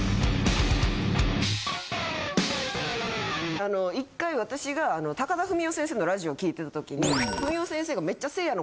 あの１回私が高田文夫先生のラジオ聴いてた時に文夫先生が。